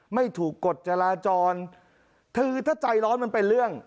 ไม่ถูกกฎจราจรคือถ้าใจร้อนมันเป็นเรื่อง